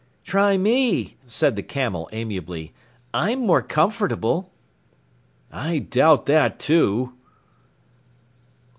"Try me," said the camel amiably. "I'm more comfortable." "I doubt that, too."